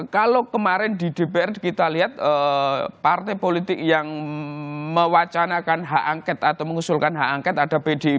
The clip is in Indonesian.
kalau kemarin di dpr kita lihat partai politik yang mewacanakan hak angket atau mengusulkan hak angket ada pdip